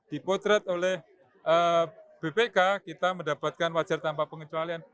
dipotret oleh bpk kita mendapatkan wajar tanpa pengecualian